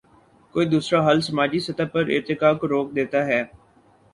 کوئی دوسرا حل سماجی سطح پر ارتقا کو روک دیتا ہے۔